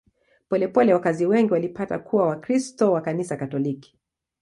Polepole wakazi wengi walipata kuwa Wakristo wa Kanisa Katoliki.